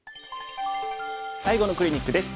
最後のクリニックです。